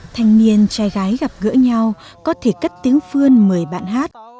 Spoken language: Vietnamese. thanh niên trai gái gặp gỡ nhau có thể cất tiếng phương mời bạn hát